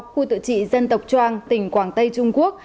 khu tự trị dân tộc trang tỉnh quảng tây trung quốc